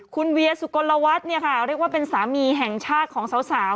คุณเวียสุกลวัฒน์เนี่ยค่ะเรียกว่าเป็นสามีแห่งชาติของสาว